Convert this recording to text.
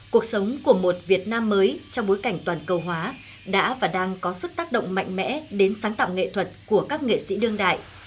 cuộc sống của một việt nam mới trong bối cảnh toàn cầu hóa đã và đang có sức tác động mạnh mẽ đến sáng tạo nghệ thuật của các nghệ sĩ đương đại